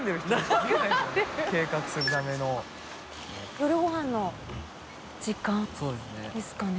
夜ごはんの時間ですかね。